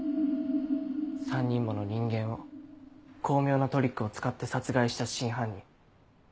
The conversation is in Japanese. ３人もの人間を巧妙なトリックを使って殺害した真犯人。